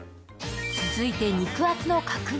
続いて肉厚の角煮。